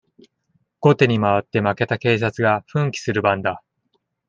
後手にまわって負けた警察が奮起する番だ。